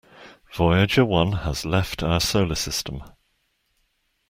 Voyager One has left our solar system.